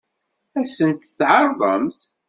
Ad sent-t-tɛeṛḍemt?